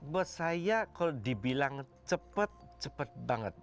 buat saya kalau dibilang cepat cepat banget